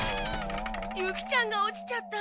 ユキちゃんが落ちちゃった。